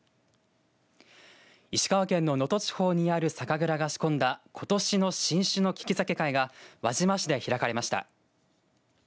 石川県の能登地方にある酒蔵が仕込んだことしの新酒の利き酒会が輪島市で開かれました。